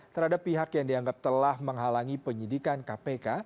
terhadap pihak yang dianggap telah menghalangi penyidikan kpk